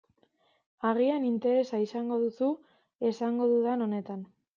Agian interesa izango duzu esango dudan honetan.